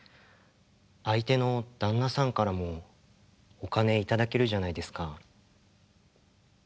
相手の旦那さんからもお金頂けるじゃないですか。